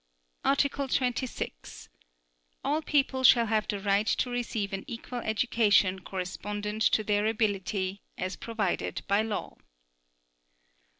Article 26. All people shall have the right to receive an equal education correspondent to their ability, as provided by law.